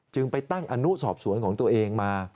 ไปตั้งอนุสอบสวนของตัวเองมา